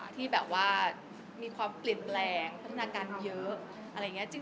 ที่แบบว่ามีความเปลี่ยนแปลงพัฒนาการเยอะอะไรอย่างนี้